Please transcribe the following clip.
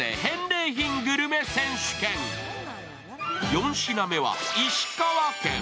４品目は石川県。